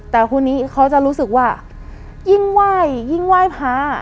แต่คนนี้เขาจะรู้สึกว่ายิ่งไหว้ยิ่งไหว้พระ